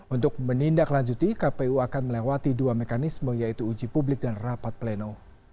untuk menindaklanjuti kpu akan melewati dua mekanisme yaitu uji publik dan rapat pleno